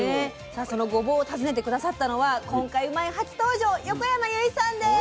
さあそのごぼうを訪ねて下さったのは今回「うまいッ！」初登場横山由依さんです。